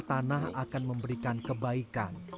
tanah akan memberikan kebaikan